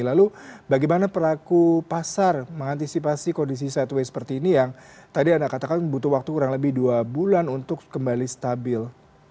lalu bagaimana peraku pasar mengantisipasi kondisi sideway seperti ini yang tadi anda katakan butuh waktu kurang lebih dua bulan untuk kembali stabil